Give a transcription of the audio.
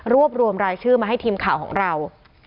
รวมรายชื่อมาให้ทีมข่าวของเรา